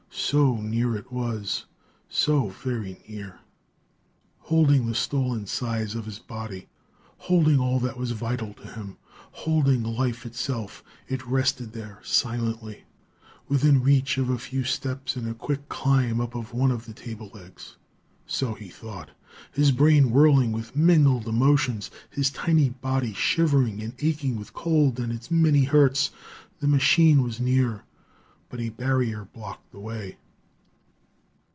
So near, it was so very near! Holding the stolen size of his body; holding all that was vital to him; holding life itself it rested there silently, within reach of a few steps and a quick climb up one of the table legs. So he thought, his brain whirling with mingled emotions, his tiny body shivering and aching with cold and its many hurts. The machine was near but a barrier blocked the way.